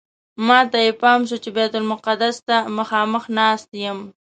ماته یې پام شو چې بیت المقدس ته مخامخ ناست یم.